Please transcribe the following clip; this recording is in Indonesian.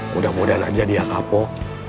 mudah mudahan aja dia kapok